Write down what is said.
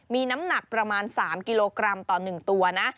มีน้ำหนักประมาณ๓กิโลกรัมต่อ๑ตัวนะ